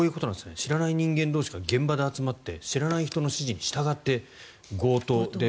知らない人同士が現場で集まって知らない人の指示に従って強盗。